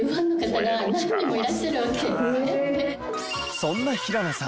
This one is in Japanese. そんな平野さん